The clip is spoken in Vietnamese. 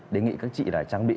đề nghị các chị trang bị